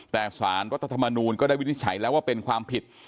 แต่สารรัฐธรรมนูลก็ได้วินิจฉัยแล้วว่าเป็นความผิด